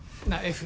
Ｆ